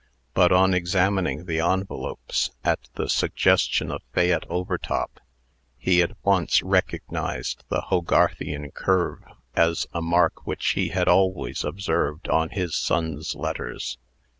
But, on examining the envelopes, at the suggestion of Fayette Overtop, he at once recognized the Hogarthian curve as a mark which he had always observed on his son's letters.